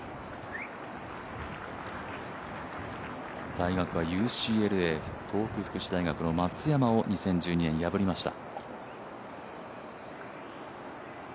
大学はＵＣＬＡ、東北福祉大学の松山を２０１２年、破りました。